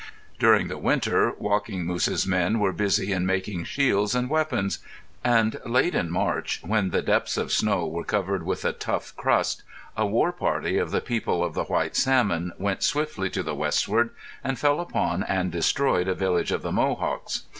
During the winter Walking Moose's men were busy at making shields and weapons; and late in March, when the depths of snow were covered with a tough crust, a war party of the people of the White Salmon went swiftly to the westward and fell upon and destroyed a village of the Mohawks.